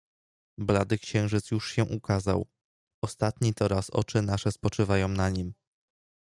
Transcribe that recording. "Blady księżyc już się ukazał; ostatni to raz oczy nasze spoczywają na nim."